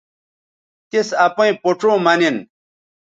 تِس اپئیں پوڇوں مہ نن